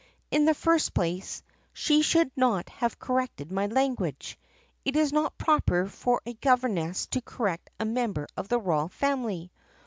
In the first place, she should not have corrected my language. It is not proper for a gover ness to correct a member of the royal family.